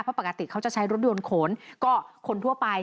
เพราะปกติเขาจะใช้รถยนต์ขนก็คนทั่วไป